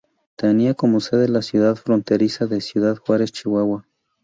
Tenía como sede la ciudad fronteriza de Ciudad Juárez, Chihuahua.